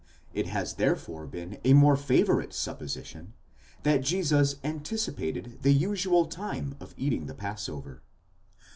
—It has therefore been a more favourite supposition that Jesus anticipated the usual time of eating the passover.